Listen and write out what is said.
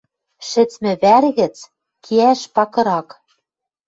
Шӹцмӹ вӓр гӹц кеӓш пакырак.